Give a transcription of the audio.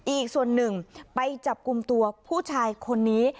อีกส่วนหนึ่งไปจับกลุ่มตัวผู้ชายคนนี้